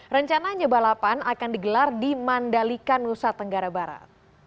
rencananya balapan akan digelar di mandalika nusa tenggara barat